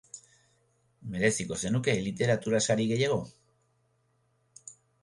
Mereziko zenuke literatura sari gehiago?